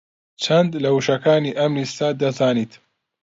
چەند لە وشەکانی ئەم لیستە دەزانیت؟